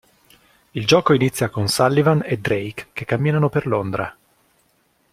Il gioco inizia con Sullivan e Drake che camminano per Londra.